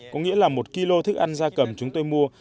có nghĩa là một kilo thức ăn ra cầm chúng tôi mua